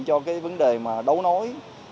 cho cái vấn đề mà đấu nối